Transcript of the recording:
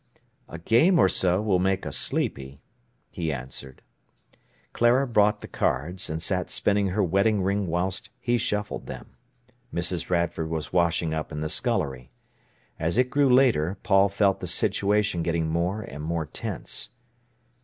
"A game or so will make us sleepy," he answered. Clara brought the cards, and sat spinning her wedding ring whilst he shuffled them. Mrs. Radford was washing up in the scullery. As it grew later Paul felt the situation getting more and more tense.